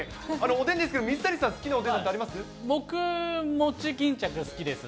おでんですけど、水谷さん、好きなおでんなんてあります？